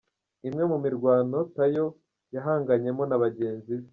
Imwe mu mirwano Tayo yahanganyemo na bagenzi be.